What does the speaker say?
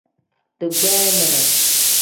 Digbamire.